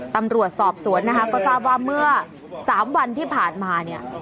ตำรวจสอบสวนนะคะก็ทราบว่าเมื่อ๓วันที่ผ่านมาเนี่ย